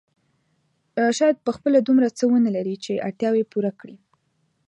شاید په خپله دومره څه ونه لري چې اړتیاوې پوره کړي.